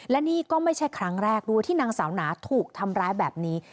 และนี่ก็ไม่ใช่ครั้งแรกด้วยที่นางสาวหนาถูกทำร้ายแบบนี้